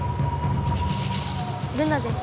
ルナです。